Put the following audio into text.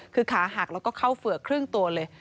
คือขาหักแล้วก็เข้าเฝือกครึ่งตัวเลย